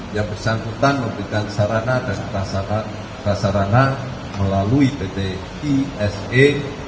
yang bersangkutan memberikan sarana dan prasarana melalui pt esa